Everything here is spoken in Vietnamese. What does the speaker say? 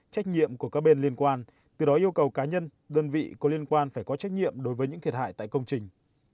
trách nhiệm của các bên liên quan từ đó yêu cầu cá nhân đơn vị có liên quan phải có trách nhiệm đối với những thiệt hại tại công trình